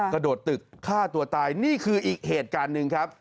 กระโดดตึกฆ่าตัวตายนี่คืออีกเหตุการณ์หนึ่งครับ